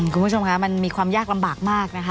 คุณผู้ชมคะมันมีความยากลำบากมากนะคะ